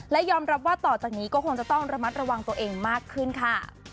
และยอมรับว่าต่อจากนี้ก็คงจะต้องระมัดระวังตัวเองมากขึ้นค่ะ